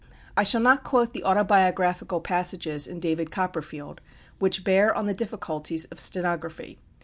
I shall not quote the autobiographical passages in "David Copperfield" which bear on the difficulties of stenography.